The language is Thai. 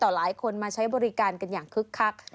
หลายคนมาใช้บริการกันอย่างคึกคัก